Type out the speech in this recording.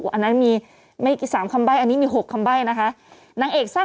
อันนั้นมีไม่กี่๓คำใบ้อันนี้มี๖คำใบ้นะคะ